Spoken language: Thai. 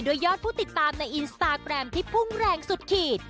ยอดผู้ติดตามในอินสตาแกรมที่พุ่งแรงสุดขีด